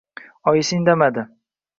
Oyisi indamadi